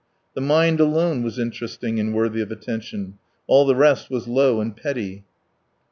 The mind alone was interesting and worthy of attention, all the rest was low and petty.